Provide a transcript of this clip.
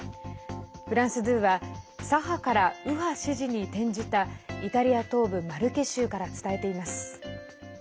フランス２は左派から右派支持に転じたイタリア東部マルケ州から伝えています。